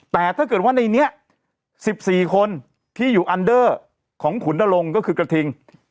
แต่ถ้าเกิดว่าในนี้๑๔คนที่อยู่อันเดอร์ของขุนนรงค์ก็คือกระทิง